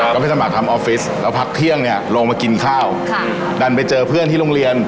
ไปสมัครทำออฟฟิศแล้วพักเที่ยงเนี่ยลงมากินข้าวค่ะดันไปเจอเพื่อนที่โรงเรียน